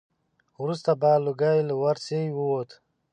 وروسته به لوګی له ورسی ووت.